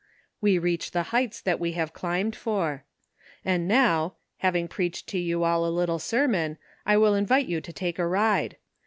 We reach the heights that we have climbed for. And now, having preached to you all a little sermon, I will invite you to take a ride.